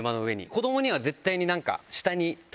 子供には絶対に下に。